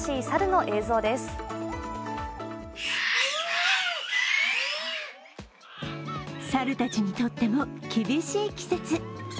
猿たちにとっても厳しい季節。